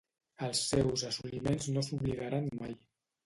Els seus assoliments no s'oblidaran mai.